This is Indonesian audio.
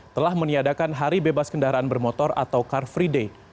telah meniadakan hari bebas kendaraan bermotor atau car free day